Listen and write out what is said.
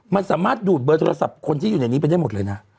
มันสามารถดูดเบอร์โทรศัพท์คนที่อยู่ในนี้ไปได้หมดเลยนะ